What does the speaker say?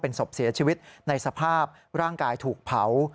ศพเสียชีวิตในสภาพร่างกายถูกเผา